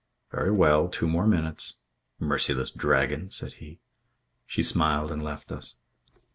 "Very well. Two more minutes." "Merciless dragon," said he. She smiled and left us.